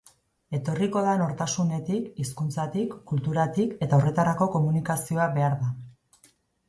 Etorriko da nortasunetik, hizkuntzatik, kulturatik, eta horretarako komunikazioa behar da.